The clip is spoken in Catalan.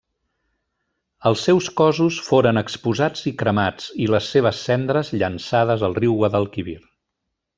Els seus cossos foren exposats i cremats, i les seves cendres llençades al riu Guadalquivir.